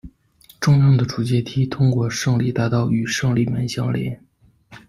中央的主阶梯通过胜利大道与胜利门相连。